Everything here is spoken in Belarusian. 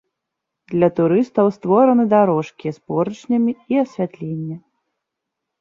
Для турыстаў створаны дарожкі з поручнямі і асвятленне.